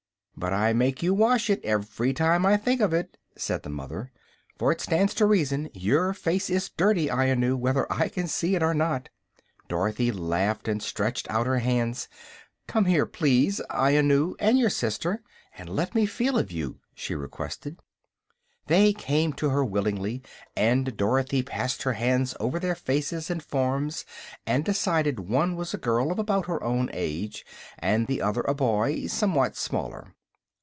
"But I make you wash it, every time I think of it," said the mother; "for it stands to reason your face is dirty, Ianu, whether I can see it or not." Dorothy laughed and stretched out her hands. "Come here, please Ianu and your sister and let me feel of you," she requested. They came to her willingly, and Dorothy passed her hands over their faces and forms and decided one was a girl of about her own age and the other a boy somewhat smaller.